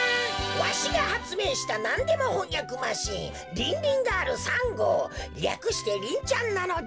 わしがはつめいしたなんでもほんやくマシーンリンリンガール３ごうりゃくしてリンちゃんなのだ！